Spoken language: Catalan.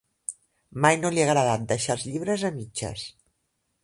Mai no li ha agradat deixar els llibres a mitges.